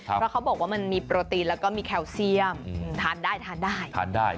เพราะเขาบอกว่ามันมีโปรตีนแล้วก็มีแคลเซียมทานได้